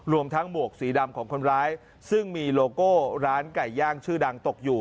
รวมทั้งหมวกสีดำของคนร้ายซึ่งมีโลโก้ร้านไก่ย่างชื่อดังตกอยู่